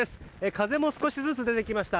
風も少しずつ出てきました。